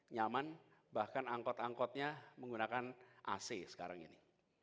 nyaman bahkan angkot angkotnya menggunakan ac sekarang ini